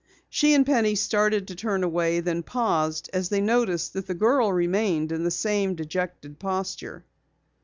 She and Penny started to turn away, then paused as they noticed that the girl remained in the same dejected posture.